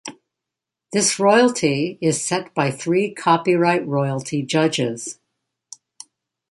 This royalty is set by three copyright royalty judges.